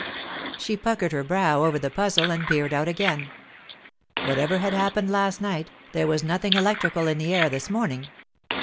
She puckered her brow over the puzzle and peered out again. Whatever had happened last night, there was nothing electrical in the air this morning.